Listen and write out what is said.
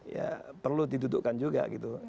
ya perlu didudukkan juga gitu